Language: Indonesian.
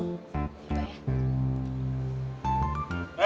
ya abah ya